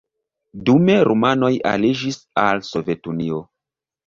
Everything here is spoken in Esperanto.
Dume rumanoj aliĝis al Sovetunio.